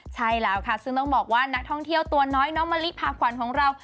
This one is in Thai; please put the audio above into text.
ใช่แล้วค่ะซึ่งต้องบอกว่านักท่องเที่ยวตัวน้อยน้องมะลิพาขวัญของเรา